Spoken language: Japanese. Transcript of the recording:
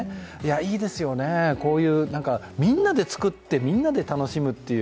いいですよね、こういうみんなで作ってみんなで楽しむっていう。